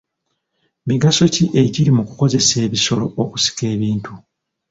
Migaso ki egiri mu kukozesa ebisolo okusika ebintu?